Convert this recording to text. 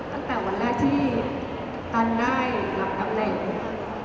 ตั้งแต่วันแรกที่ตันได้รับตำแหน่ง